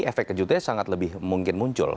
efek kejutnya sangat lebih mungkin muncul